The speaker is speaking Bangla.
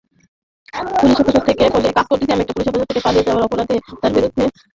পুলিশ হেফাজত থেকে পালিয়ে যাওয়ার অপরাধে তাঁর বিরুদ্ধে ফতুল্লা থানায় মামলা হয়েছে।